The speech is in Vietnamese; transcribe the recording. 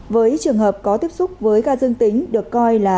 với trường hợp có tiếp xúc với ca dương tính được coi là